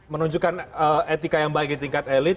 menunjukkan etika yang baik di tingkat elit